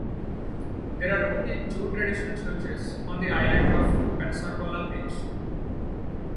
There are only two traditional churches on the island of Pensacola Beach.